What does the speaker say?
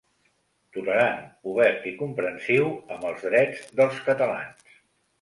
Tolerant, obert i comprensiu amb els drets dels catalans.